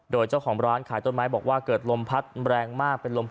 โดยเจ้าของร้านขายต้นไม้บอกว่าเกิดลมพัดแรงมากเป็นลม